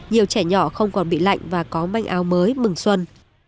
nhiều trẻ nhỏ không còn bị lạnh và có mây áo mới mừng xuân